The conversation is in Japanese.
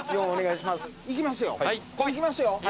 いきますよ？